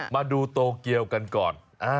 มาดูโตเกียวกันก่อน